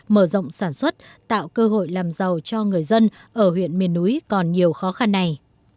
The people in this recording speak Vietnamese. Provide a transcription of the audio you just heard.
mở rộng sản xuất tạo cơ hội làm giàu cho người dân ở huyện miền núi còn nhiều khó khăn này